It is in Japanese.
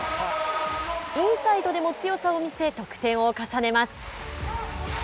インサイドでも強さを見せ得点を重ねます。